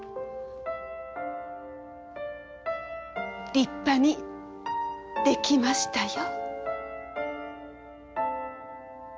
立派にできましたよ。